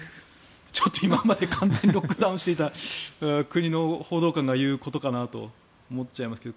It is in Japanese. ちょっと今まで完全にロックダウンしていた国の報道官が言うことかなと思っちゃいますけど